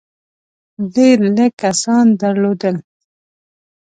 ډېر لږ کسان درلودل.